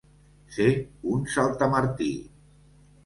Ser un saltamartí.